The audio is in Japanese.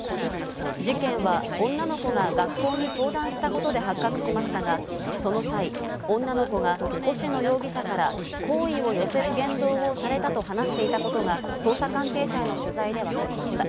事件は女の子が学校に相談したことで発覚しましたが、その際、女の子が星野容疑者から好意を寄せる言動をされたと話していたことが捜査関係者への取材でわかりました。